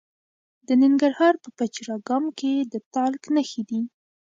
د ننګرهار په پچیر اګام کې د تالک نښې دي.